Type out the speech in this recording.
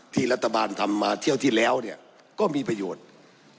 ที่รัฐบาลทำมาเที่ยวที่แล้วเนี่ยก็มีประโยชน์ต่างก็